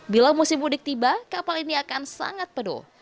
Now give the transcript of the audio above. bila musim mudik tiba kapal ini akan sangat penuh